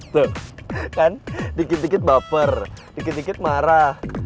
tuh kan tikit tikit baper tikit tikit marah